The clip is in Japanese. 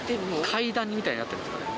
階段みたいになってるんですかね？